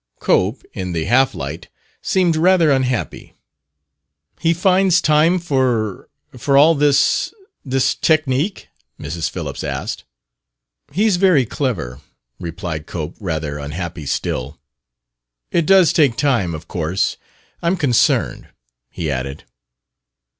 Cope, in the half light, seemed rather unhappy. "He finds time for for all this this technique?" Mrs. Phillips asked. "He's very clever," replied Cope, rather unhappy still. "It does take time, of course. I'm concerned," he added.